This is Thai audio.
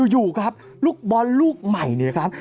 อยู่ครับลูกบอลลูกใหม่เนี่ยครับ